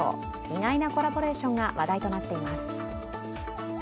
意外なコラボレーションが話題となっています。